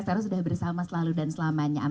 sekarang sudah bersama selalu dan selamanya